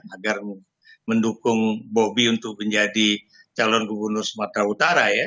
agar mendukung bobi untuk menjadi calon gubernur sumatera utara ya